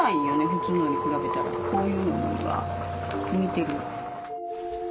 普通のに比べたらこういうのには向いてる。